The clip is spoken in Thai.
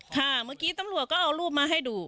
ค่ะเมื่อกี้ตำรวจก็เอารูปมาให้ดู